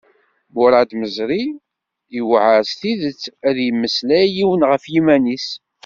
Muṛad Meẓri: Iwεer s tidet ad d-yemmeslay yiwen ɣef yiman-is.